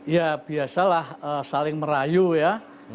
ya biasalah saling merayu ya